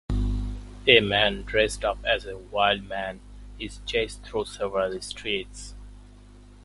A man dressed up as a Wild Man is chased through several streets.